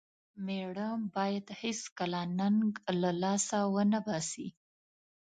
مېړه بايد هيڅکله ننګ له لاسه و نه باسي.